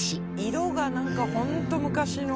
色がなんかホント昔の。